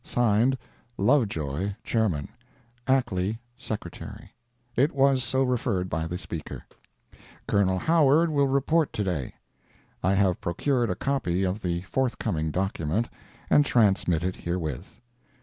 [Signed] LOVEJOY, Chairman ACKLEY, Sec y. It was so referred by the Speaker. Col. Howard will report to day. I have procured a copy of the forthcoming document, and transmit it herewith.